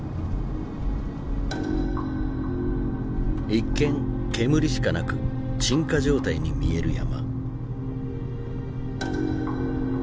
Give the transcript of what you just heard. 一見煙しかなく鎮火状態に見える山。